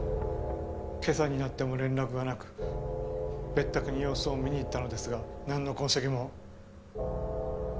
今朝になっても連絡がなく別宅に様子を見に行ったのですがなんの痕跡も。